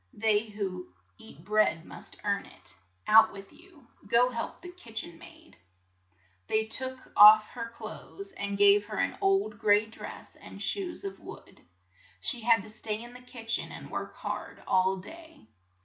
"They who eat bread must earn it. Out with you ! Go help the lv,, kitch en maid !" They took off her clothes, and gave her an old gray dress, and shoes of wood. She had to stay in the kitch en and work hard all day.